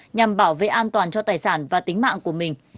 nhằm bảo vệ an toàn cho tài sản và tính mạng của mình